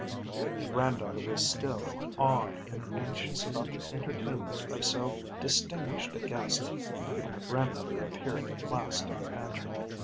The granddaughter was still awed and anxious about the entertainment of so distinguished a guest when her grandmother appeared at last in the pantry.